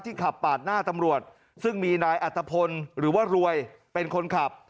ขับปาดหน้าตำรวจซึ่งมีนายอัตภพลหรือว่ารวยเป็นคนขับ